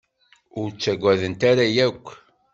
Ur ttaggadent ara akk.